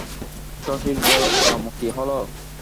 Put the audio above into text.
শশীর বয়েস কম কী হল!